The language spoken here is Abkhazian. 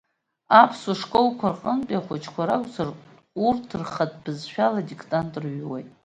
Аԥсуа школқәа рҟынтәи ахәыҷқәа ракәзар, урҭ рхатәы бызшәала адиктант рыҩуеит.